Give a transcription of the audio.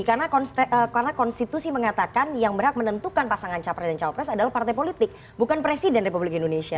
karena konstitusi mengatakan yang berhak menentukan pasangan capres dan capres adalah partai politik bukan presiden republik indonesia